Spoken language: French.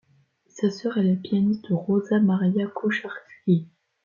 Sa sœur est la pianiste Rosa María Kucharski.